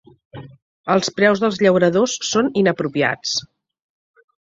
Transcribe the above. Els preus dels llauradors són inapropiats